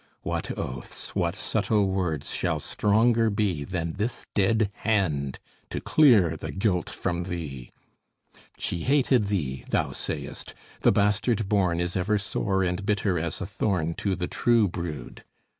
What oaths, what subtle words, shall stronger be Than this dead hand, to clear the guilt from thee? "She hated thee," thou sayest; "the bastard born Is ever sore and bitter as a thorn To the true brood."